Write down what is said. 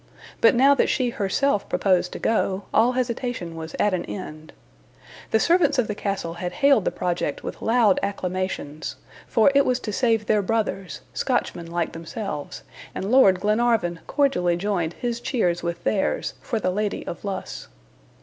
But now that she herself proposed to go, all hesitation was at an end. The servants of the Castle had hailed the project with loud acclamations for it was to save their brothers Scotchmen, like themselves and Lord Glenarvan cordially joined his cheers with theirs, for the Lady of Luss.